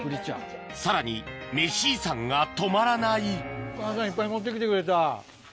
さらにメシ遺産が止まらないお母さんいっぱい持って来てくれた。